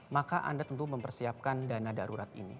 maka anda tentu mempersiapkan dana darurat ini